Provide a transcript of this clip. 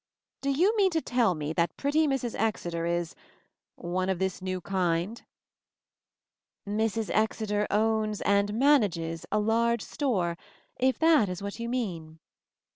"Do you mean to tell me that pretty Mrs. Exeter is — one of this new kind?" "Mrs. Exeter owns — and manages — a large store, if that is what you mean."